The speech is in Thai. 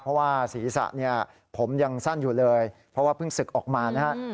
เพราะว่าศีรษะเนี่ยผมยังสั้นอยู่เลยเพราะว่าเพิ่งศึกออกมานะฮะ